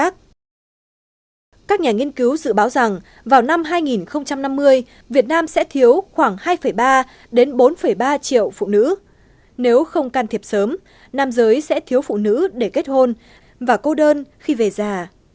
các nhà nghiên cứu dự báo rằng vào năm hai nghìn năm mươi việt nam sẽ thiếu khoảng hai ba đến bốn ba triệu phụ nữ nếu không can thiệp sớm nam giới sẽ thiếu phụ nữ để kết hôn và cô đơn khi về già